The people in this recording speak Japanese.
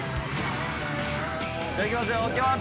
じゃあいきますよ。